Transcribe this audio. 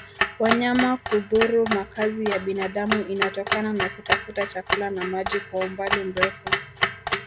wanyama kudhuru makazi ya binadamu inatokana na kutafuta chakula na maji kwa umbali mrefu